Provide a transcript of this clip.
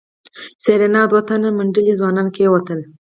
سېرېنا او دوه تنه منډلي ځوانان کېوتل.